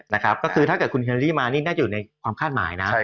นะครับก็คือถ้าเกิดคุณเฮลลี่มานี่น่าจะอยู่ในความคาดหมายนะ